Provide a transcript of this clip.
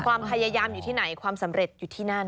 ความพยายามอยู่ที่ไหนความสำเร็จอยู่ที่นั่น